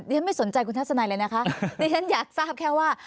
ขอบใจคุณทัศนัยเลยนะคะดังนั้นอยากทราบแค่ว่า